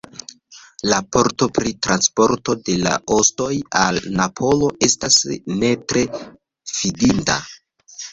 Raporto pri transporto de la ostoj al Napolo estas ne tre fidinda.